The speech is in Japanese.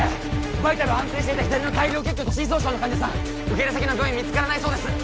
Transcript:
バイタル安定していた左の大量血胸と心損傷の患者さん受け入れ先の病院見つからないそうです！